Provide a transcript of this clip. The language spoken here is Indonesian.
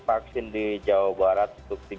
vaksin di jawa barat